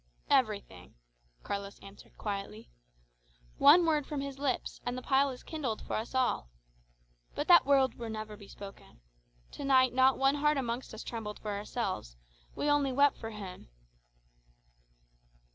"Everything," Carlos answered quietly. "One word from his lips, and the pile is kindled for us all. But that word will never be spoken. To night not one heart amongst us trembled for ourselves, we only wept for him."